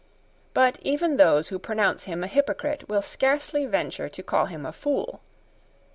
But even those who pronounce him a hypocrite will scarcely venture to call him a fool.